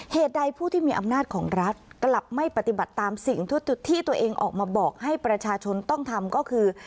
เหตุใดผู้ที่มีอำนาจของรัฐกลับไม่ปฏิบัติตามสิ่งที่ตัวเองออกมาบอกให้ประชาชนต้องทำก็คือ